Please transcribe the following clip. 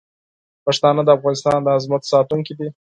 پښتانه د افغانستان د عظمت ساتونکي دي.